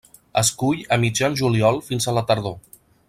Es cull a mitjan juliol fins a la tardor.